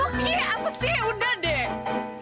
lu kia apa sih udah deh